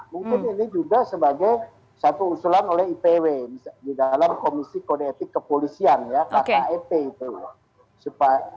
mungkin ini juga sebagai satu usulan oleh ipw di dalam komisi kode etik kepolisian ya kkep itu